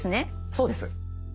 そうです。